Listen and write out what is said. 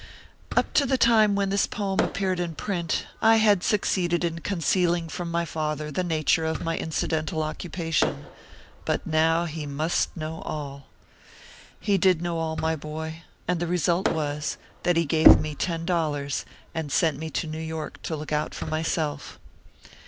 Up to the time when this poem appeared in print, I had succeeded in concealing from my father the nature of my incidental occupation ; but now he must know all. He did know all, my boy ; and the result was, that he gave me ten dollars, and sent me to New York to look out for myself.